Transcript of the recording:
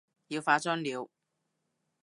要化妝了